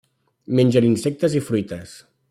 Mengen insectes i fruites.